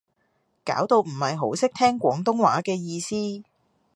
搞到唔係好識聽廣東話嘅意思